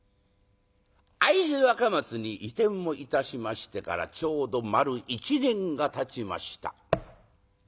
会津若松に移転をいたしましてからちょうど丸一年がたちました。